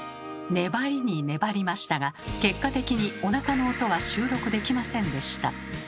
粘りに粘りましたが結果的におなかの音は収録できませんでした。